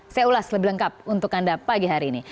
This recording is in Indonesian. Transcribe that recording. saya ulas lebih lengkap untuk anda pagi hari ini